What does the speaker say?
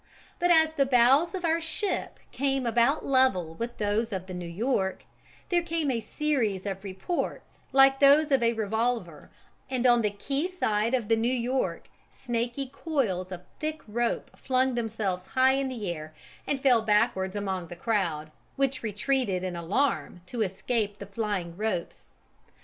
But as the bows of our ship came about level with those of the New York, there came a series of reports like those of a revolver, and on the quay side of the New York snaky coils of thick rope flung themselves high in the air and fell backwards among the crowd, which retreated in alarm to escape the flying ropes.